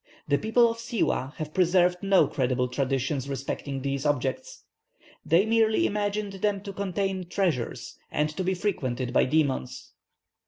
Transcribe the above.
The people of Siwâh have preserved no credible traditions respecting these objects. They merely imagined them to contain treasures, and to be frequented by demons."